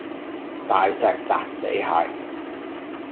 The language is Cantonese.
大石砸死蟹